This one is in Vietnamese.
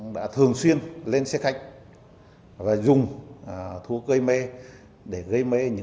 đã thường xuyên lên xe khách và dùng thú gây mê để gây mê